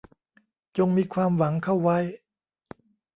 จงมีความหวังเข้าไว้